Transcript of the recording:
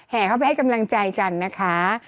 เข้าไปให้กำลังใจกันนะคะ